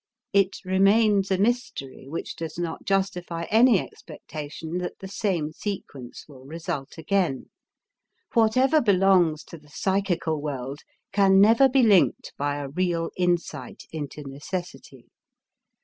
It remains a mystery which does not justify any expectation that the same sequence will result again. Whatever belongs to the psychical world can never be linked by a real insight into necessity.